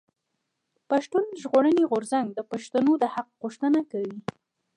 پښتون ژغورنې غورځنګ د پښتنو د حق غوښتنه کوي.